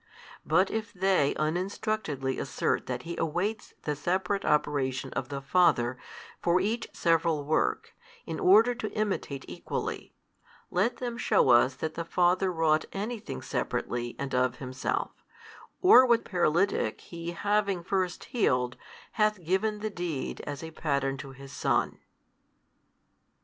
But if they uninstructedly assert that He awaits the Separate Operation of the Father for each several work, in order to imitate equally, let them shew us that the Father wrought anything separately and of Himself, or what paralytic He having first healed, hath given the deed as a pattern to His Son.